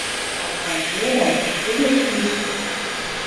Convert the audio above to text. Ах, пальтодам? Тевеш ишкӹ.